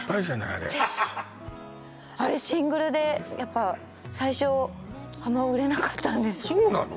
あれあれシングルでやっぱ最初あんま売れなかったんですそうなの？